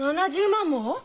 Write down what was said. ７０万も！？